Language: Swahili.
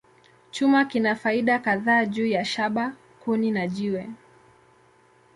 Chuma kina faida kadhaa juu ya shaba, kuni, na jiwe.